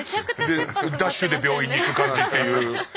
でダッシュで病院に行く感じっていう。